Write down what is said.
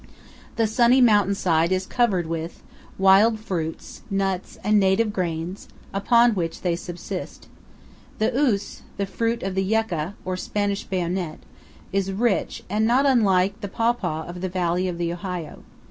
The sunny mountain side is covered with: wild fruits, nuts, and native grains, upon which they subsist. The oose, the fruit of the yucca, or Spanish bayonet, is rich, and not unlike the pawpaw of the valley of the Ohio.